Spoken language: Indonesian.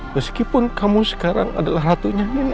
meskipun kamu sekarang adalah ratunya